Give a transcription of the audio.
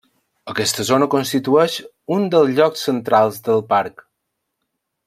Aquesta zona constitueix un dels llocs centrals del parc.